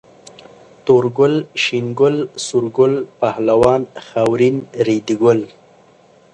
تور ګل، شين ګل، سور ګل، پهلوان، خاورين، ريدي ګل